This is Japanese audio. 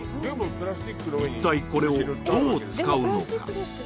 一体これをどう使うのか？